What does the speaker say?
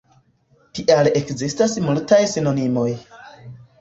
Tial ekzistas multaj sinonimoj.